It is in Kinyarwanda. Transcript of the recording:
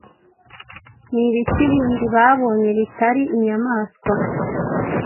Ni ibiki bindi babonye bitari inyamaswa?